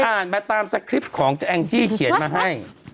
อ่านไปตามสตริปของแจ้งจี้เขียนมาให้